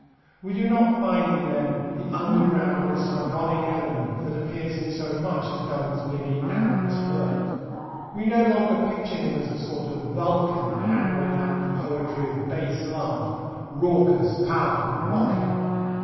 We do not find in them the underground and sardonic element that appears in so much of Donne's merely amorous work. We no longer picture him as a sort of Vulcan hammering out the poetry of base love, raucous, powerful, mocking.